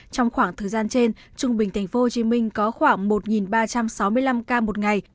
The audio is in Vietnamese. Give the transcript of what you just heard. trong khoảng thời gian trên trung bình thành phố hồ chí minh có khoảng một ba trăm sáu mươi năm ca một ngày